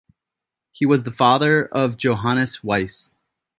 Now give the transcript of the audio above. He was the father of Johannes Weiss.